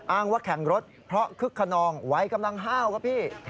ว่าแข่งรถเพราะคึกขนองวัยกำลังห้าวครับพี่